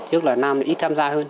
trước là nam ít tham gia hơn